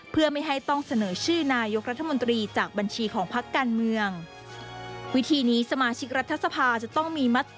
เพื่อไม่ให้ต้องเสนอชื่อนายกรัฐมนตรีจากบัญชีของพักการเมือง